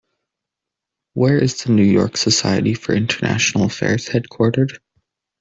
Where is the New York Society for International Affairs headquartered?